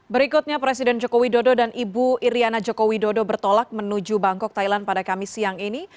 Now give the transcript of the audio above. berikutnya presiden jokowi dodo dan ibu iryana jokowi dodo bertolak menuju bangkok thailand pada kamis siang ini